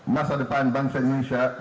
masa depan bangsa indonesia